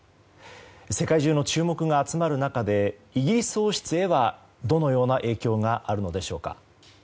世界中の注目が集まる中でイギリス王室へはどのような影響があるのでしょうか。